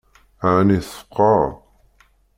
Ɛni tfeqɛeḍ?